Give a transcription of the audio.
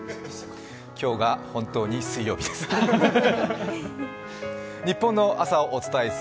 今日が本当に水曜日です。